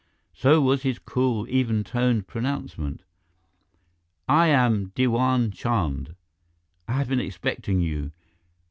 So was his cool, even toned pronouncement: "I am Diwan Chand. I have been expecting you.